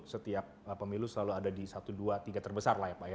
setiap pemilu selalu ada di satu dua tiga terbesar lah ya pak ya